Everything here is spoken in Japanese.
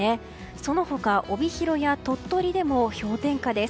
その他、帯広や鳥取でも氷点下です。